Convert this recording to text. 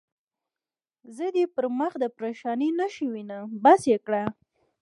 زه دې پر مخ د پرېشانۍ نښې وینم، بس یې کړه.